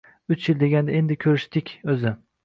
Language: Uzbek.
Uch yil deganda endi ko`rishdik o`zi